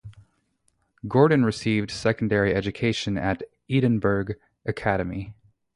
Gordon received secondary education at Edinburgh Academy.